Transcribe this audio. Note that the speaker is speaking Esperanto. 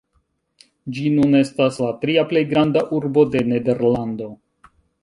Ĝi nun estas la tria plej granda urbo de Nederlando.